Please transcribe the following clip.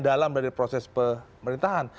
dalam dari proses pemerintahan